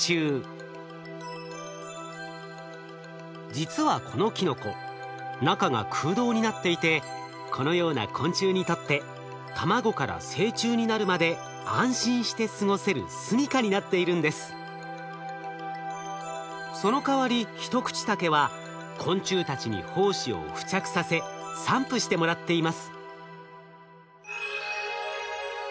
実はこのキノコ中が空洞になっていてこのような昆虫にとって卵から成虫になるまでそのかわりヒトクチタケは昆虫たちに胞子を付着させ散布してもらっています。